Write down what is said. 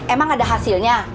emang ada hasilnya